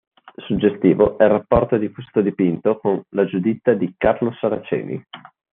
Suggestivo è il rapporto di questo dipinto con la "Giuditta" di Carlo Saraceni.